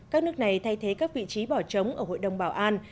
các nước này thay thế các vị trí bỏ trống ở hội đồng bảo an